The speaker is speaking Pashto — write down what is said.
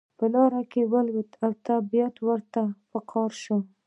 لار کې ولوید طبیعت ورته په قار شو.